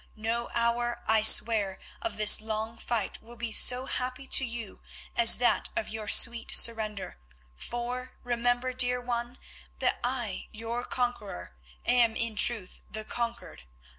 No hour, I swear, of this long fight will be so happy to you as that of your sweet surrender, for remember, dear one, that I, your conqueror, am in truth the conquered.